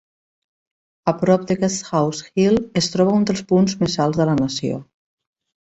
A prop de Guesthouse Hill es troba un dels punts més alts de la nació.